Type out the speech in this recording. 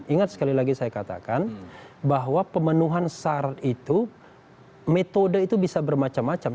ingat sekali lagi saya katakan bahwa pemenuhan syarat itu metode itu bisa bermacam macam